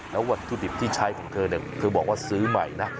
แล้ววัตถุดิบที่ใช้ของเธอเนี่ยเธอบอกว่าซื้อใหม่นะ